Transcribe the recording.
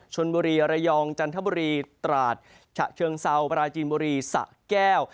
ชนบุรีระยองจันทบุรีตราดฉะเชิงเซาปราจีนบุรีสะแก้ว